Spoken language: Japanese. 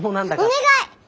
お願い！